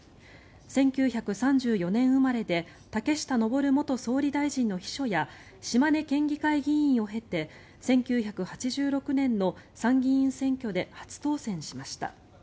１９３４年生まれで竹下登元総理大臣の秘書や島根県議会議員を経て１９８６年の参議院選挙で初当選しました。